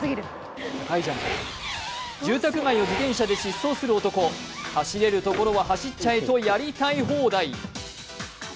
住宅街を自転車で疾走する男走れるところは走っちゃえとやりたい放題。